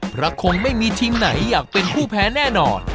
เพราะคงไม่มีทีมไหนอยากเป็นผู้แพ้แน่นอน